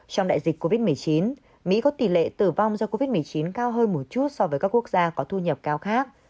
trong đại dịch covid một mươi chín mỹ có tỷ lệ tử vong do covid một mươi chín cao hơn một chút so với các quốc gia có thu nhập cao khác